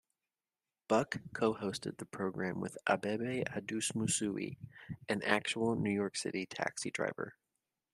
Buck co-hosted the program with Abebe Adusmussui, an actual New York City taxi driver.